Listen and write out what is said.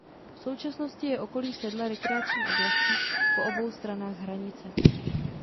V současnosti je okolí sedla rekreační oblastí po obou stranách hranice.